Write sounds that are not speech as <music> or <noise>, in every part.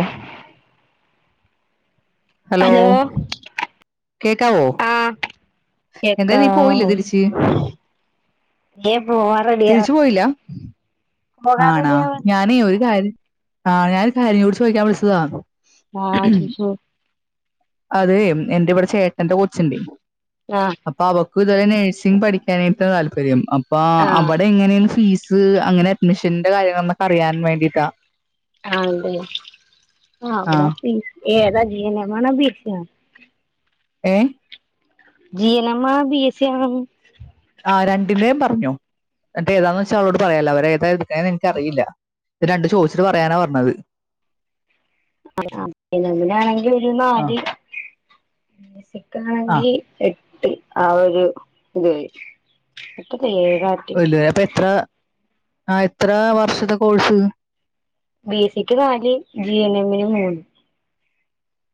ഓഹ് hello. കേക്കാവോ ആഹ് എന്തെ നീ പോയില്ലേ കേക്കാവോ തിരിച്ച്. ഏഹ് പോവാ. തിരിച്ചു പോയില്ല. പോകാൻ ആണാ റെഡിയാവാ ഞാനേ ഒരു കാര്യം ആഹ് ഞാനൊരു കാര്യുടി ചോയ്ക്കാൻ വിളിച്ചതാ. ആഹ് ചോയ്ച്ചോ? അതെ എന്റെ ഇവിടെ ചേട്ടന്റെ കൊച്ചിന്റെ ആഹ് അപ്പൊ അവ ക്ക് ഇതുപോലെ നഴ്സിംഗ് പഠിക്കാനായിട്ട് താല്പര്യം അപ്പൊ ആഹ് അവിടെ എങ്ങനെയാണ് ഫീസ് അങ്ങനെ. മിഷന്റെ കാര്യങ്ങളന്നൊക്കെ അിയാൻ വേണ്ടിയിട്ടാ. ആ <unintelligible> ഏ. ജി എൻ എം ആണോ, ബി എസ് സി ആണോ. ആഹ് രണ്ടിന്റെേയും പറഞ്ഞു എന്നിട്ടേ ഏതാന്ന് വെച്ചാ അവളോട് പറയാലോ അവര് ഏതാ എടുക്കണേന്ന് എനിക്കറിയില്ല. ഇത് രണ്ട് ചോദിച്ചിട്ട് പറയാനാ പറഞ്ഞത്. ആ ജി എൻ എം നാണെങ്കിൽ ഒരു ആ നാല്. ആ മറ്റതാണെങ്കി എട്ട് ആ ഒരു ഇതാരിക്കും <unintelligible> അപ്പൊ എത്ര ആ എത്ര വർഷത്തെ കോഴ്സ്. ബി എസ് സി ക്ക് നാല് ജി എൻ എമ്മിന് മൂന്ന്.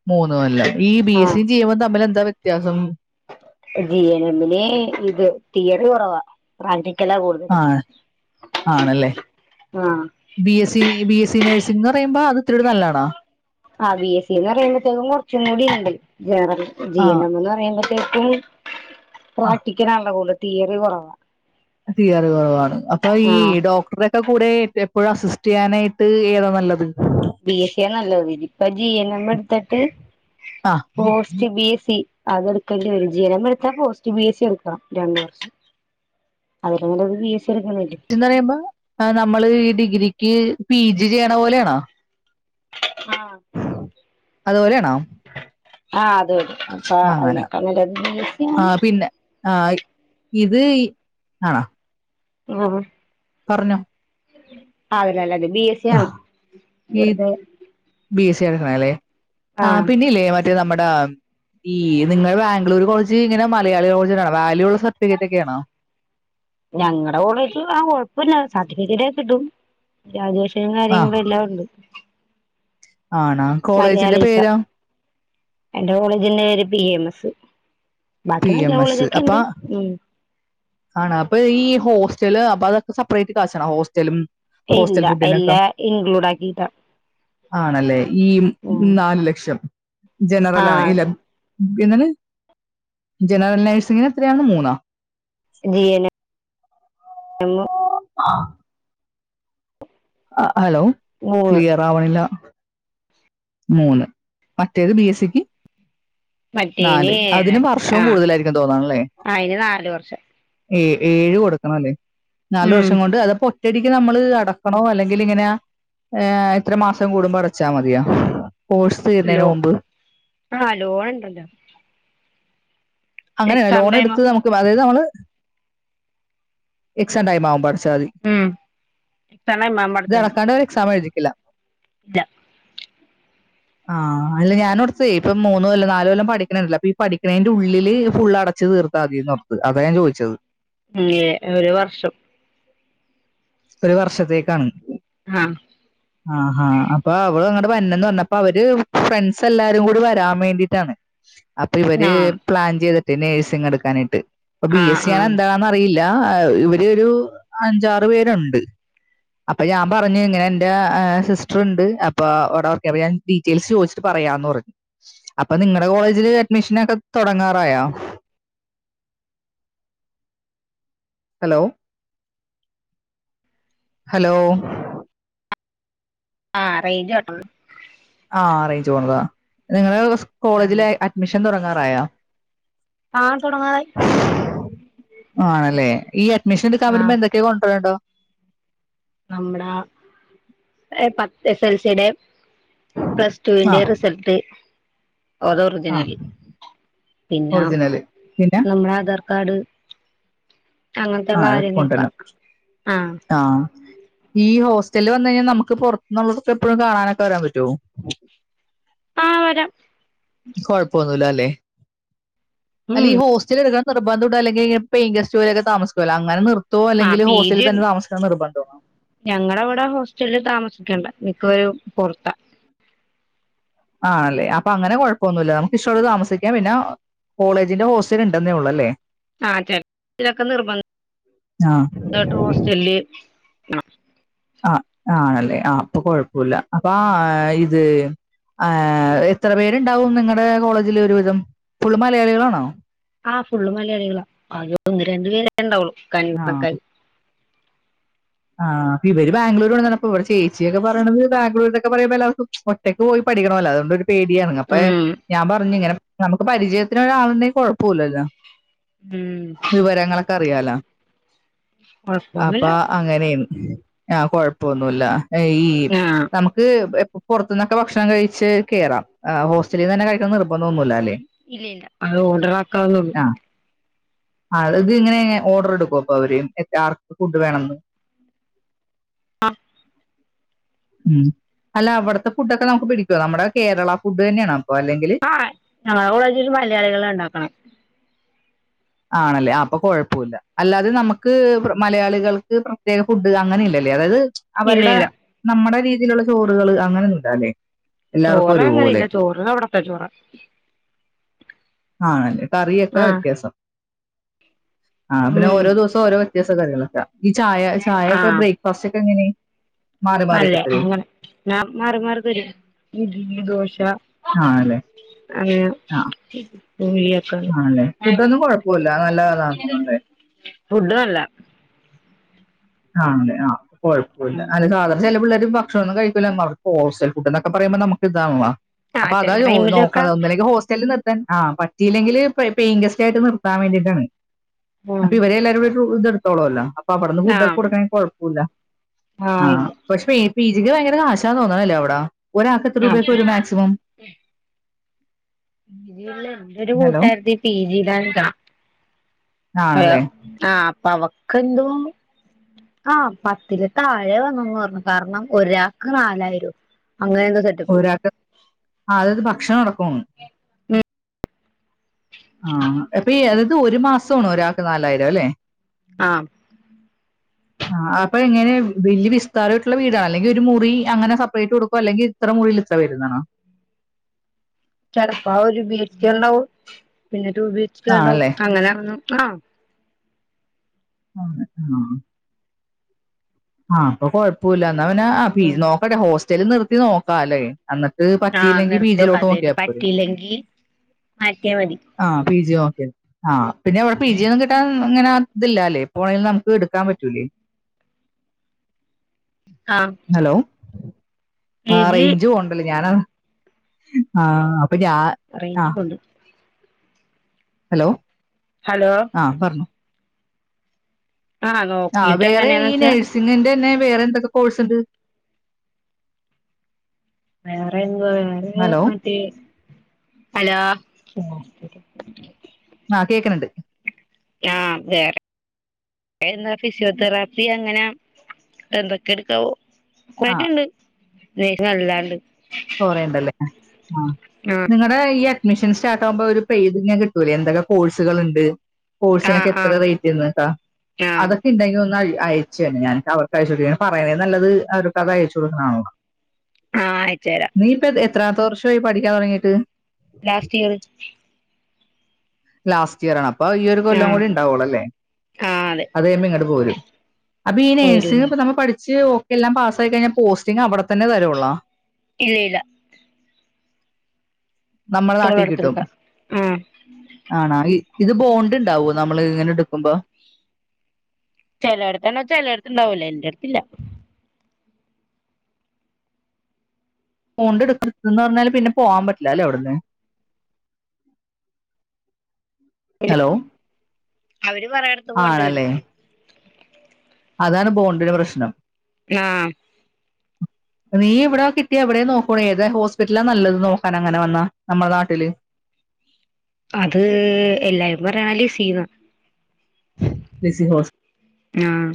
മൂന്ന് കൊല്ലം ഈ ബി എസ് ആഹ് സി, ജി എൻ എമ്മും തമ്മിലെന്താ വ്യത്യാസം? ജി എൻ എമ്മിന് ഇത് തീയറി കൊറവാ. പ്രാക്റ്റിക്കലാ കൂടുതല് ആ ആണല്ലേ ആഹ്. B S C, B S C nursing എന്ന് പറയുമ്പോ അത് ഇത്തിരികൂടി നല്ലതണാ. ആ ബി എസ് സിന്ന് പറയുമ്പോത്തേക്കും കുറച്ചും കൂടിണ്ട് ജനറൽ ജി ആ എൻ എം എന്ന് പറയുമ്പഴ്ത്തേക്കും. ആ പ്രാക്ടിക്കലാണല്ലോ കൂടുതല് തിയറി കുറവാ. തിയറി കൊറവാണ് അപ്പൊ ഈ ആഹ് ഡോക്ടറെ റേ കൂടെ എപ്പോഴും അസിസ്റ്റ് ചെയ്യാനായിട്ട് ഏതാ നല്ലത്? ബി എസ് സി യാ നല്ലത് ഇതിപ്പ ജി എൻ എം എടുത്തിട്ട് ആ പോസ് പോസ്റ്റ് ബി എസ് സി അതെടുക്കേണ്ടിവരും ജി എൻ എം എടുത്താ പോസ്റ്റ് ബി എസ് സി എടുക്കണം രണ്ട് വർഷം. അതിലും നല്ലത് ബി എസ് സി എട്ക്കണെല്ലേ. പോസ്റ്റ്ന്ന് പറയുമ്പോ നമ്മള് ഈ ഡിഗ്രിക്ക് പി ജി ചെയ്യണ പോലെയാണോ. ആ. അതുപോലെയാണോ. ആഹ് അത് അപ്പ ആ, അങ്ങനെ അതിനേക്കാൾ നല്ലത് ബി എസ് സി ആ യാണ്. പിന്നെ ആ ഇത് ആണ. ആ പറഞ്ഞോ. അതല്ലല്ലെ ബി എസ് സി ആണ് ഈ ഇവിടുത്തെ. ബി എസ് സി യ എട്ക്കണല്ലേ ആ ആഹ് പിന്നില്ലേ മറ്റേ നമ്മുട. ഈ നിങ്ങൾ ബാംഗ്ലൂർ കോളെജ് ഇങ്ങനെ മലയാളി <unintelligible> വാല്യൂള്ളസർട്ടിഫിക്കറ്റ് ഒക്കെ ആണോ? ഞങ്ങടെ കോളേജ് ആ കൊഴപ്പല്ല സർട്ടിഫിക്കറ്റൊക്ക കിട്ടും. ഗ്രാജുഷനും ആ കാര്യങ്ങളും എല്ലാം ഉണ്ട്. ആണ. മലയാളീസ എന്റെ കോളേജിന്റെ പേര് പി എം എസ്. ബാക്കി പി നല്ല എം കോളേജ്ക്കെണ്ട് ഉം. ആണ അപ്പൊ ഈ ഹോസ്റ്റല് അപ്പൊ അതൊക്കെ സെപ്പറേറ്റ് കാശണ ഹോസ്റ്റലും. ഇല്ല ഹോസ്റ്റൽ ഫുഡിനൊക്കെ എല്ലാം ഇൻക്ലൂഡ് ആക്കിട്ട. ആണല്ലേ ഈ ഉം നാല് ലക്ഷം ജനറൽ ആഹ് ആണെങ്കിലെ. എന്താണ് ജനറൽ നഴ്സിങ്ങിന് എത്രയാണ് മൂന്നാ. G N M. എമ്മ്. <unintelligible> ആ ഹലോ മൂന്ന് ക്ലിയർ ആവണില്ല. മൂന്ന് മറ്റേത് ബി എസ് സിക്ക്. മറ്റേന് നാല് ഏഴ് അതിന് വർഷോം ആഹ് കൂടുതലായിരിക്കുന്ന് തോന്നണല്ലേ. അയിന് നാല് വർഷം ഏ ഏഴ് കൊടുക്കണം അല്ലേ നാല് ഉം വർഷം കൊണ്ട് അതപ്പോ. ഒറ്റെയടിക്ക് നമ്മള് അടക്കണോ അല്ലെങ്കിൽ ഇങ്ങനെ ഇത്ര മാസം കൂടുമ്പോ അടച്ചാ മതിയോ? കോഴ്സ് തീരുന്നേന് മുമ്പ് ആ ലോണ് ഇണ്ടല്ലോ അങ്ങനെയാണ് എക്സാം ലോണ് ടൈമ് എടുത്ത് നമുക്ക് അതായത് നമ്മള് എക്സാം ടൈം ആവുമ്പോ അടച്ചാ മതി ഉം എക്സാം ടൈം ഇത് അടക്കാണ്ട് ഒര് എക്സാം എഴ്തിക്കില്ല ഇല്ലാ <unintelligible> ആ അല്ല ഞാൻ ഓർത്തേ ഇപ്പ മൂന്നു കൊല്ലം നാല് കൊല്ലം പഠിക്കണ്ണ്ടല്ലോ അപ്പ ഈ പഠിക്കണേന്റെ ഉള്ളിൽ ഉള്ളിൽ ഫുള്ള് അടച്ച് തീർത്താതിന്നോർത്ത് അതാ ഞാൻ ചോയിച്ചെത് ഒര് വർഷം ഒരു വർഷത്തേക്കാണ് ആ ആഹാ അപ്പൊ അവള് അങ്ങട്ട് വെര്ണന്ന് പർഞ്ഞെപ്പം അവര് ഫ്രണ്ട്സ് എല്ലാരും കൂടി വരാൻ വേണ്ടിട്ടാണ് അപ്പൊ ഇവര് ആഹ് പ്ലാൻ ചെയ്തിട്ട് നേഴ്സിംങ്ങ് എട്ക്കാനായിട്ട് ഇപ്പൊ ബി ആഹ് എസ് സി ആണോ ആഹ് എന്താണോ എന്നറിയില്ല ഇവരെരു അഞ്ചാറ് പേരുണ്ട് അപ്പ ഞാൻ പറ്ഞ്ഞ് ഇങ്ങനെ എന്റെ സിസ്റ്റ്ർ ഇണ്ട് അപ്പൊ അവ്ടെ വർക്കെയ്യ് അപ്പോ ഞാൻ <unintelligible> ഡീറ്റെയിൽസ് ചോദിച്ചിട്ട് പറയാന്ന് പറഞ്ഞു അപ്പൊ നിങ്ങടെ കോളേജില് അഡ്മിഷനൊക്കെ തൊടങ്ങാറായോ? ഹലോ ഹലോ ആഹ് റെയ്ഞ്ച് <unintelligible> ആഹ് റെയ്ഞ്ച് പോണതാ നിങ്ങളെ വ്ടുള്ളെ ആഹ് കോളേജില് അഡ്മിഷൻ തൊടങ്ങാറായോ? ആഹ് തുടങ്ങാറായി ആണല്ലേ ഈ അഡ്മിഷൻ എടുക്കാൻ ആഹ് വെരുമ്പോ എന്തെ ക്കെ കൊണ്ടൊരൊണ്ടോ നമ്മടാ ആ എ പത് എസ് എൽ സിടെയ് പ്ലസ് ആ റ്റുവിന്റെയും റിസെൾട്ട് ആ ഒതൊറിജിനൊലി പിന്നേ ഒറിജിനൽ പിന്നെ നമ്മളെ ആധാർ കാർഡ് അങ്ങനത്തെയുള്ള അഹ് കാര്യങ്ങളൊക്കെ കൊണ്ടർണ്ണം ആഹ്. ഈ ഹോസ്റ്റല്‌ വന്ന് കഴിഞ്ഞാ ഞമ്മക്ക് പൊർത്തുന്നുള്ളോർക്ക് എപ്പെഴും കാണാനൊക്കെ വെരാൻ പറ്റൊ? ആ വെരാം കൊഴപ്പൊന്നുല്ലാലേ അല്ലെ ഉം ഈ ഹോസ്റ്റെല് എടുക്കാൻ നിർബന്ധണ്ടോ അല്ലെങ്കി ഇങ്ങെ പെയ്ൻ ഗെസ്റ്റ്പോലെ ഒക്കെ താമസിക്കല്ലോ അങ്ങെനെ നിർ ത്തോ ആഹ് അല്ലെങ്കി ഹോസ്റ്റലിൽ തന്നെ താമസിക്കണം നിർബദ്ധോ? ഞങ്ങളെ ഇവടെ ഹോസ്റ്റലിൽ താമസിക്കണ്ട മിക്കവെരും പൊർത്താ ആണല്ലേ അപ്പൊ അങ്ങെനെ കൊഴപ്പൊന്നുല്ല്യാ നമുക്ക് ഇഷ്ട്ടൊള്ളോടത്ത് താമസിക്കാം പിന്ന ഹാ കോളേജിന്റെ ഹോസ്റ്റൽ ഇണ്ടന്നെള്ളൂ അല്ലേ? ആ <inaudible> ആഹ് ആണല്ലേ ആ അപ്പൊ കൊഴപ്പൊല്ലാ അപ്പാ ആ ഇത് ആ എഹേ എത്ര പേരുണ്ടാവും നിങ്ങളുടെ കോളേജിൽ ഒരുവിധം ഫുള്ള് മലയാളികളാണോ? ആഹ് ഫുള് മലയാളികളാ അത് ഒന്ന് രണ്ടുപേരെ ഇണ്ടാവാെള്ളൂ ആ <unintelligible> ആഹ് ഇവെര് ബാംഗ്ലൂർവാണ് അപ്പ ഇവടെ ചേച്ചിയൊക്കെ പറയ്ണത് ബാംഗ്ലൂരിലൊക്കെ പറയ്മ്പോ എല്ലാർക്കും ഒറ്റയ്ക്ക് പോയി പഠിക്കണോലോ അതോണ്ടൊരു പേടിയാണ് അപ്പെ ഉം ഞാൻ പർഞ്ഞ് ഇങ്ങെനെ ഞമ്മക്ക് പരിചയത്തിന് ഒരാളുണ്ടെങ്കി കൊഴപ്പൊല്ലല്ലോ ഉം വിവരങ്ങളൊക്കെ അറിയാലോ അപ്പ കൊഴപ്പൊന്നുമില്ല അങ്ങെനേന്ന് ആ കൊഴപ്പൊന്നുല്ലാ ഈ ആഹ് ന്നമ്മ ക്ക് പൊർത്ത്ന്നൊക്കെ ഭക്ഷണം കഴ്‌ച്ച് കേറാം ഹോസ്റ്റലിന്നേന്നെ കഴിക്കണം നിർ അത് ഓഡറാക്കാന്നൊള്ളൂ. ആഹ് അത് ഇങ്ങെനെ ഓർഡെർ എടുക്കു അപ്പം അവര് മറ്റേ ആർക്ക് ഫുഡ് വേണംന്ന്. ആഹ് ഉം അല്ല അവട്ത്തെ ഫുടൊക്കെ ന്നമ്മക്ക് പിടിക്കോ ന്നമ്മളെ കേരള ഫുഡ് തന്നെയാണോ അപ്പൊ അല്ലെങ്കില് ആഹ് ഞങ്ങളെ കോളേജില് മലയാളികളാ ഇണ്ടാക്ക്ണെ. ആണല്ലേ അപ്പം കൊഴപ്പൂല്ല അല്ലാതെ നമ്മക്ക് മലയാളികൾക്ക് പ്രത്യേക ഫുഡ് അങ്ങനെ ഇല്ലല്ലേ അതായെത് ചി ഇല്ല അവര്ടെ ഇല്ല ന്നമ്മടെ രീതിയിലുള്ള ചോറുകൾ അങ്ങനൊന്നും ഇല്ലാല്ലേ. ചോറ് അങ്ങെനെയില്ല ചോറ് അവടെത്തെ ചോറാ. ആണല്ലേ കറിയൊക്കെ ആഹ് വ്യത്യാസം. ആഹ് പിന്നാ ഉം ഓരോ ദിവസം ഓരോ വ്യത്യസ്ഥ കറികളൊക്കെ ഈ ചായ ചായക്ക് ബ്രേക്ക്ഫാസ്റ്റ് ഒക്കെ എങ്ങനെ? മാറി മാറിയൊക്കെ നല്ലെ തരോ? അങ്ങെനെ ന്നാ മാറി മാറി തെരും ഇഡ്ലി, ദോശ- ആണല്ലേ? ആ, അങ്ങനെ <unintelligible> ആണല്ലേ ഫുഡൊന്നും കൊഴപ്പൂല്ല. നല്ലെതാ തോന്ന്ണ്ട്? ഫുഡ് നല്ലാ. ആണല്ലേ ആഹ് അപ്പൊ കൊഴപ്പൂല്ല. നല്ല സാധനം ചെലവുള്ളത് ഇപ്പം ക്ഷണം കഴിക്കൂല മർ ഹോസ്റ്റൽ ഫുഡ് ഇണ്ടാക്കാൻ പറയുമ്പം ന്നമ്മക്ക് ഇതാവും ആ അപ്പ ആഹ് അതാ ചെല ഈ ഓല് ടൈമിലൊക്കെ നോക്ക്ണെ ഒന്നല്ലെങ്കിൽ ഹോസ്റ്റലിൽ നിർ ആഹ് പറ്റിയില്ലെങ്കില് പെ പെയിൻഗെസ്റ്റായിട്ട് നിർത്താൻ വേണ്ടീട്ടാണ്. അപ്പ ആഹ് ഇവരെ എല്ലാരു കൂടി റൂം എടുത്തോളല്ലോ അപ്പൊ അവടെന്ന് ഫുഡൊക്കെ ആഹ് കൊട്ക്കാണെ കൊഴപ്പൂല്ല. ആഹ് പക്ഷെ പീ പി ജിക്ക് ഭയങ്കര കാശാന്ന് തോന്ന്ണല്ലെ ഇവടെ ഒരാക്ക് എത്ര രൂപയൊക്കെ വെരും മാക്സിമം? ഇതില് എന്റെ ഒരു ഹലോ കൂട്ടാര്ത്തി പി ജിയിലാണ്. ഹലോ ആണല്ലേ ആഹ് അപ്പ അവക്കെന്തുവാ ആഹ് പത്തില് താഴെ വന്നെന്ന് പറഞ്ഞു കാര്ണം ഒരാക്ക് നാലായിരം. അങ്ങനെന്തേ സ പോരാതെആ അതത് ഭക്ഷണം അടക്കാണ് ഉം ആഹ് അതെ <unintelligible> അതായത് ഒരു മാസാണോ ഒരാൾക്ക് നാലായിരം? അല്ലേ ആഹ് ആഹ് അപ്പം എങ്ങനെ വെല്യ വിസ്താര ആയിട്ടുള്ള വീടാണോ? അല്ലെങ്കിൽ ഒരു മുറി അങ്ങനെ സെപ്പറേറ്റ് കൊടുക്കുവ അല്ലെങ്കിൽ- ഇത്ര മുറീൽ ഇത്ര പേര്ന്നാണോ? ചടപ്പാ ഒരു ബിചേർ ഒണ്ടാവും പിന്നെ ഒരു ബീച്ചേർ ഒണ്ടാവും ആണല്ലേ? അങ്ങനെ ഒന്നും ആഹ് ആഹ് ആഹ് അപ്പൊ കൊഴപ്പോല്ല. എന്നാ പിന്നെ ആ പി ഉം നോക്കട്ടെ ഹോസ്റ്റലിൽ നിർത്തി നോക്കാല്ലേ? എന്നട്ട് പറ്റിയി ആഹ് ഇല്ലെങ്കിൽ നിർത്തി നോക്ക് പീജിയിലോട്ട് നോക്കിയാപ്പോരേ. ആക്കിയാ മതി ആഹ് പി ജി ഓക്കെ ആ പിന്നെ ഇവിടെ പി ജി ഒന്നും കിട്ടാൻ ഇ അങ്ങനാ ഇത് ഇല്ലാ അല്ലേ പോയെത് നമുക്ക് എടുക്കാൻ പറ്റൂലേ. ആഹ് ഹലോ പി ആ ജി റേഞ്ച് പോണ്ടല്ലേ ഞാൻ അ ആഹ് അപ്പൊ ഞാ ആ റേഞ്ച് പോണ്ട്. ഹലോ ഹലോ ആഹ് പറഞ്ഞോ ആഹ് ആഹ് നോക്കിട്ട് വേറെ എങ്ങനെയാന്ന് ഈ വെച്ചാ നേഴ്സിങ്ങിന്റെ തന്നെ വേറെ എന്തൊക്കെ കോഴ്സ് ഉണ്ട് വേറെ എന്തോവാ വേറെ ഹലോ മറ്റേ ഹലോ ആഹ് കേക്കണണ്ട് ആം വേറെ എന്നാ ഫിസിയോതെറാപ്പി അങ്ങനെ എന്തൊക്കെ എടുക്കാവോ ആ <unintelligible> അല്ലാണ്ട് കൊറേണ്ട് അല്ലേ ആ ആഹ് നിങ്ങടെ ഈ മിഷൻ സ്റ്റാർട്ട്കുമ്പ ഒരു പെയ്ജ് ഇങ്ങനെ കിട്ടൂലെ എന്തൊക്കെ കോഴ്സ്കള് ഇണ്ട് കോഴ്സ്സിന് ഒക്കെ ആഹ് എത്ര ആഹ് റേറ്റന്ന് കേട്ടാ ആഹ് അതൊക്കെ ഒണ്ടെങ്കിൽ ഒന്ന് അയ് അയ് ചെന്നെ ഞാന് അവർക്ക് അയച്ചു കൊടുക്ക പറയണേ നല്ലത് അവർക്ക് അത് അയച്ച് കൊടുക്കണത് ആണല്ലോ ആഹ് അയച്ച് തരാം നീ ഇപ്പ എത്രമത്തെ വർഷായി പഠിക്കാൻ തൊടങ്ങിട്ട് ലാസ്റ്റ് ഇയർ ലാസ്റ്റ് ഇയർ ആണ് അപ്പ ഈ ഒരു കൊല്ലം ആഹ് കൂടി എണ്ടാവുള്ള അല്ലേ ആഹ് അതെ അത് കഴിമ്പം ഇങ്ങോട്ട് പോരും അപ്പ ഈ ഒരു നേഴ്സിംഗ് ഇപ്പ നമ്മ പഠിച്ച് എല്ലാം പാസായി കഴിഞ്ഞ പോസ്റ്റിങ് അവിടെ തന്നെ തരുവോളള ഇല്ല ഇല്ല നമ്മള നാട്ടിൽ കിട്ടും ഇഷ്ടമുള്ളടത്തെടുക്കാം ആഹ് ആണ് ആണ് ഇത് ബോണ്ട് എണ്ടാവോ നമ്മള് ഇങ്ങനെ എടുക്കുമ്പോ ചെലടത്തണോ ചെലയിടത്ത് ഒണ്ടാവല്ലോ എന്റെ എടുത്ത്ത്തില്ല പൊണ്ട് എടുക്ക് എന്ന് പറഞ്ഞാൽ പിന്നെ പോകാൻ പറ്റില്ല അല്ലേ അവിടന്ന് ഹലോ അവര് പറയണ് ആണല്ലേ അതാണ് ബോണ്ടിന്റെ പ്രശ്നം ആഹ് നീ ഇവിടെ കിട്ടി എവിടെ നോക്കൂ ഏത് ഹോസ്പിറ്റലാ നല്ലത് നോകാൻ അങ്ങനെ വന്നാ നമ്മള നാട്ടില് അത് എല്ലാരും പറയണ ലിസിന്നാ ലിസി ഹോസ് ആഹ്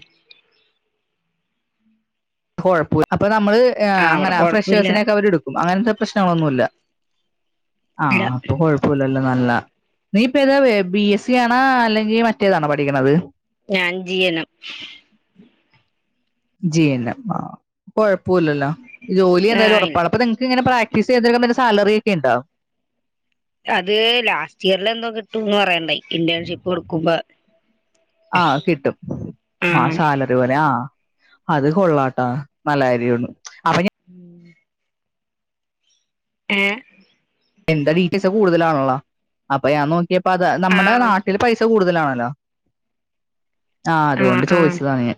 കൊഴപ്പുല്ല അപ്പൊ നമ്മള് ആഹ് അവിടെ അങ്ങനെ കൊഴപ്പില്ല ഫ്രഷേഴ്സിനെക്കെ അവര് എടു ക്കും അങ്ങൻത്തെ പ്രശ്നങ്ങളൊന്നുല്ല ഇല്ല ആഹ് അപൊ കൊഴു പ്പുല നല്ല നീ ഇപ്പ ഏതാ ബി എസ് സി ആണോ അല്ലെങ്കിൽ മറ്റേതാണോ പഠിക്കണത് ഞാൻ G N M G N M ആഹ് കൊഴപ്പുലല്ലോ ജോലി ആഹ് ഇല്ല എന്തായാലുറപ്പാണ് അപ്പ നിങ്ങക്ക് ഇങ്ങനെ പ്രാക്ടീസയ്യുന്നന്റെക്കെ സാലറിയക്കെ ഉണ്ടോ അത് ലാസ് റ്റിയറിൽ എന്തോ കിട്ടുന്നപറയണ്ടായി ഇന്റേൺഷിപ്പ് കൊടുക്കുമ്പോ ആഹ് ഇത്പോലെ ആഹ് അത് കൊള്ളാട്ടാ നല്ലകാര്യണ് അപ്പൊ ഞാൻ- ഉംഹ് ഏഹ് എന്റെ ഡീറ്റെസ് കൂടുതലാണല്ലോ അപ്പൊ ഞാൻ നോക്കിയപ്പോ അത് നമ്മുടെ ആഹ് നാട്ടിൽ പൈസ കൂടുതലാണല്ലോ ആഹ് അതൊണ്ട് ചോയിച്ചതാണ് ഞാൻ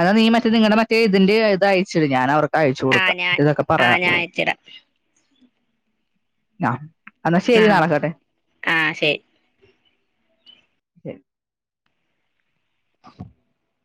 അതാ നീ മറ്റേ നിങ്ങളടെ മറ്റേ ഇതിന്റെ ഇത് അയച്ചിട് ഞാൻ അവർക്ക് അയച്ചൊടുക്ക ഇതൊക്കെ പറയാ അയച്ചെരാ ന്നാഹ് ന്നാഹ് ആഹ് ശെരി ശരി <inaudible>